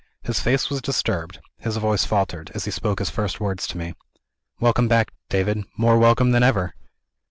His face was disturbed; his voice faltered, as he spoke his first words to me. "Welcome back, David more welcome than ever!"